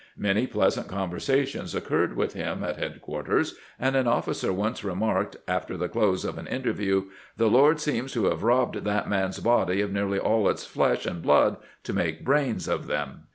Many pleasant conversations occurred with him at head quarters, and an officer once remarked, after the close of an interview :" The Lord seems to have robbed that man's body of nearly aU its flesh and blood to make brains of them."